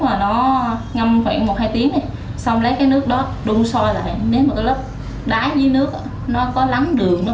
rồi nó ngắn ngắn nó không điều nhau sợi nó trong sợi yến nó rất là mỏng nha nó trong như thế này